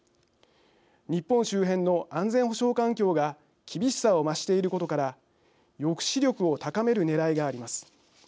日本周辺の安全保障環境が厳しさを増していることから抑止力を高めるねらいがあります。